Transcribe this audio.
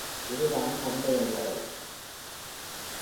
இது தான் பண்டைய முறை.